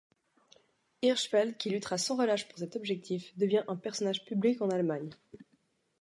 Hirschfeld, qui luttera sans relâche pour cet objectif, devient un personnage public en Allemagne.